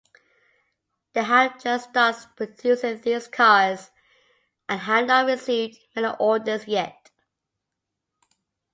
They have just started producing these cars and have not received many orders yet.